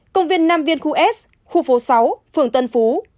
công viên nam viên khu s khu phố sáu phường tân phú